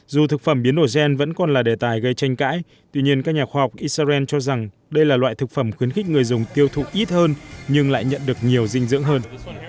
dù thực phẩm biến đổi gen vẫn còn là đề tài gây tranh cãi tuy nhiên các nhà khoa học israel cho rằng đây là loại thực phẩm khuyến khích người dùng tiêu thụ ít hơn nhưng lại nhận được nhiều dinh dưỡng hơn